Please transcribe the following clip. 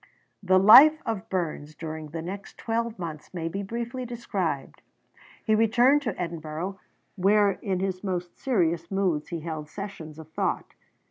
The life of Burns during the next twelve months may be briefly described. He returned to Edinburgh, where in his most serious moods he held sessions of thought.